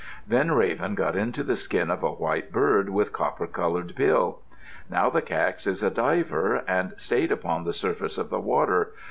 Then Raven got into the skin of a white bird with copper colored bill. Now the cax is a diver and stayed upon the surface of the water.